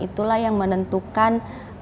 itulah yang menentukan